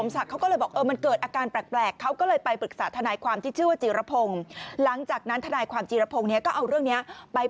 ศักดิ์ก็อักษากับคุณอัจฉริยะ